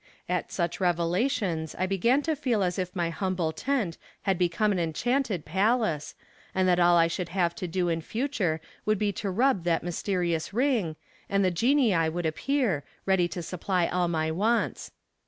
At such revelations I began to feel as if my humble tent had become an enchanted palace, and that all I should have to do in future would be to rub that mysterious ring, and the genii would appear, ready to supply all my wants.